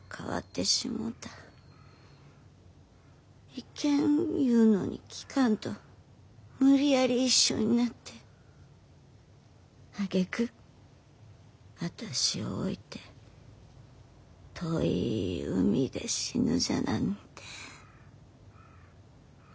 いけん言うのに聞かんと無理やり一緒になってあげく私を置いて遠い海で死ぬじゃなんて。